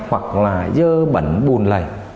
hoặc là dơ bẩn bùn lầy